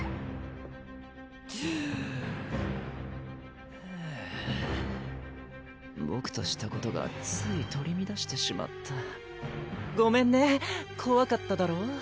スゥハァボクとしたことがつい取りみだしてしまったごめんねこわかっただろう？